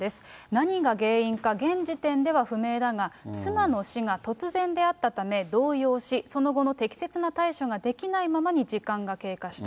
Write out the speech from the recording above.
何が原因か、現時点では不明だが、妻の死が突然であったため動揺し、その後の適切な対処ができないままに時間が経過した。